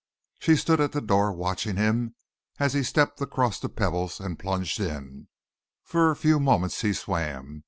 She stood at the door, watching him as he stepped across the pebbles and plunged in. For a few moments he swam.